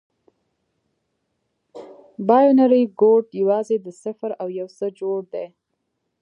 بایونري کوډ یوازې د صفر او یو څخه جوړ دی.